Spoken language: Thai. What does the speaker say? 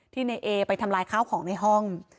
ที่นายเอไปทำร้ายข้าวของในห้อง